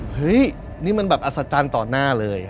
เฮ้ยนี่มันแบบอัศจรรย์ต่อหน้าเลย